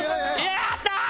やったー！